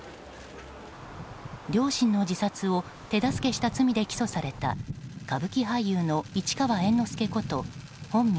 両親の自殺を手助けした罪で起訴された歌舞伎俳優の市川猿之助こと本名・